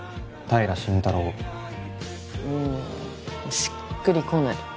平真太郎うんしっくりこない